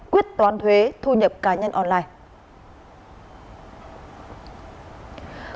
quyết toán thuế thu nhập cá nhân online